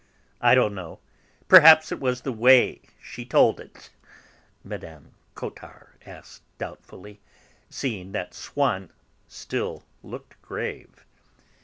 I don't know; perhaps it was the way she told it," Mme. Cottard added doubtfully, seeing that Swann still looked grave.